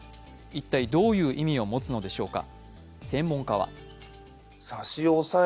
一体どういう意味を持つのでしょうか。